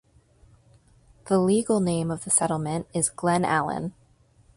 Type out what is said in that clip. The legal name of the settlement is "Glen Allen".